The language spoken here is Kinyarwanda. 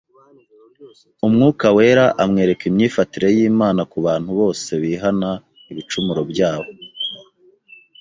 Umwuka Wera amwereka imyifatire y’Imana ku bantu bose bihana ibicumuro byabo